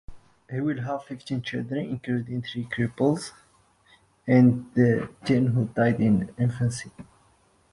He will have fifteen children, including three cripples and ten who died in infancy.